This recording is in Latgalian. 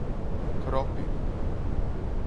Kropi.